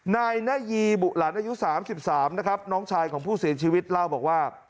นายนายีบุราณอายุสามสิบสามนะครับน้องชายของผู้เสียชีวิตเล่าบอกว่า